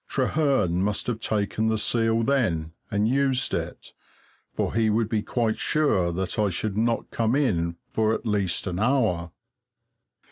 Trehearn must have taken the seal then, and used it, for he would be quite sure that I should not come in for at least an hour.